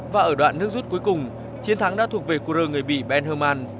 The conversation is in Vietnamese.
và ở đoạn nước rút cuối cùng chiến thắng đã thuộc về quân rơ người bỉ ben herman